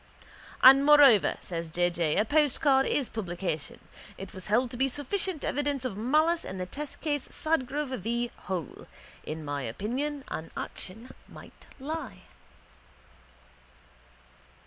—And moreover, says J. J., a postcard is publication. It was held to be sufficient evidence of malice in the testcase Sadgrove v. Hole. In my opinion an action might lie.